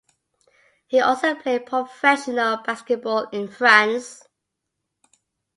He also played professional basketball in France.